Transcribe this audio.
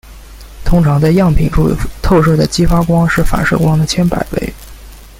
通常在样品处透射的激发光是反射光的千百倍。